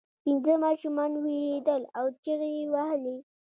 پنځه ماشومان ویرېدل او چیغې یې وهلې.